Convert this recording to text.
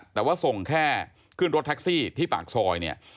แต่ว่าส่งแค่ขึ้นรถแท็กซี่ที่ปากซอยเนี่ย